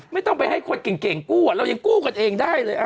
ไม่ต้องไปให้คนเก่งกู้เรายังกู้กันเองได้เลย